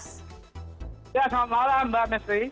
selamat malam mbak mistry